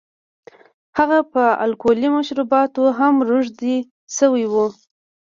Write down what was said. هغه په الکولي مشروباتو هم روږدی شوی و.